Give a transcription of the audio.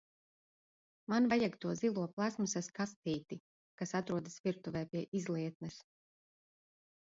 Man vajag to zilo plastmasas kastīti, kas atrodas virtuvē pie izlietnes.